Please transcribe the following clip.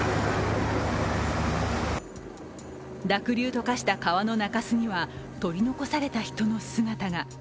濁流と化した川の中州には取り残された人の姿が。